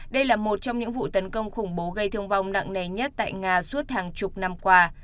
đây là một trong những vụ tấn công khủng bố gây thương vong nặng nề nhất tại nga suốt hàng chục năm qua